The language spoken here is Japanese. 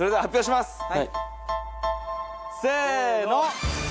せの！